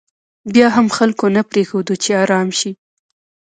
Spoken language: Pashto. بیا هم خلکو نه پرېښوده چې ارام شي.